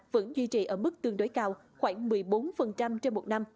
tương trị ở mức tương đối cao khoảng một mươi bốn trên một năm